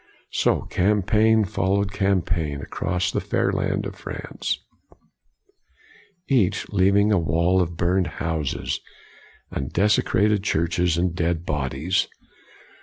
So campaign followed campaign across the fair land of France, each leaving a trail of burned houses and desecrated churches and dead bodies.